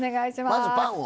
まずパンを。